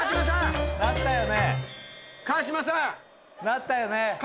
鳴ったよね？